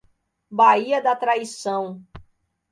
Baía da Traição